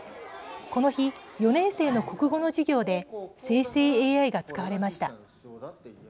この日、４年生の国語の授業で生成ＡＩが使われました。